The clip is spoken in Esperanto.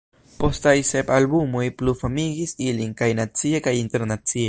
Postaj sep albumoj plu famigis ilin kaj nacie kaj internacie.